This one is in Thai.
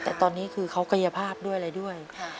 แต่ตอนนี้สามารถเขาเกี่ยภาพด้วยอะไรด้วย